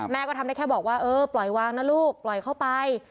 ก็ทำได้แค่บอกว่าเออปล่อยวางนะลูกปล่อยเข้าไป